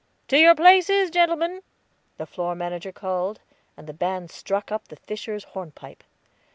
"To your places, gentlemen," the floor manager called, and the band struck up the Fisher's Hornpipe.